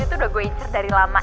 itu udah gue incher dari lama